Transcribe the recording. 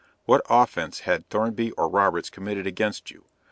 What offence had Thornby or Roberts committed against you?